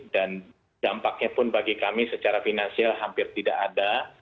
dan dampaknya pun bagi kami secara finansial hampir tidak ada